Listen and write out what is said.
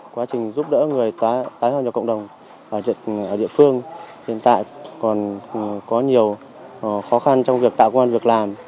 quá trình giúp đỡ người tái hòa cho cộng đồng ở địa phương hiện tại còn có nhiều khó khăn trong việc tạo công an việc làm